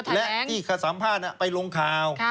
และที่เขาสัมภาษณ์ไปลงข่าว